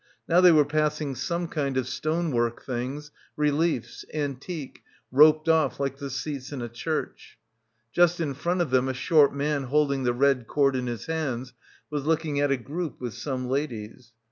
Now they were passing some kind of — 254 — BACKWATER stonework things, reliefs, antique, roped off like the seats in a church. Just in front of them a short man holding the red cord in his hands was looking at a group with some ladies.